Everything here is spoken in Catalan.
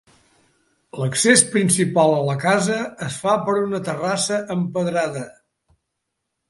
L'accés principal a la casa es fa per una terrassa empedrada.